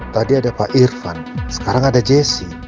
tadi ada pak irfan sekarang ada jessi